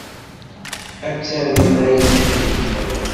Ad tarmem aya tikkelt niḍen.